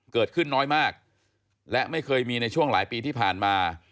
เกิดขึ้นน้อยมากและไม่เคยมีในช่วงหลายปีที่ผ่านมา